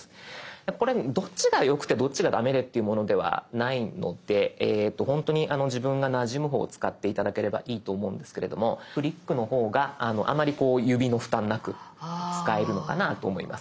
これどっちがよくてどっちが駄目でっていうものではないのでえっとほんとに自分がなじむ方を使って頂ければいいと思うんですけれどもフリックの方があまりこう指の負担なく使えるのかなと思います。